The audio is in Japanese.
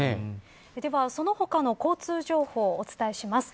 その他の交通情報をお伝えします。